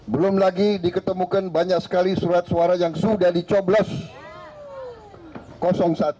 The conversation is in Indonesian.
belum lagi diketemukan banyak sekali surat suara yang sudah dicoblos satu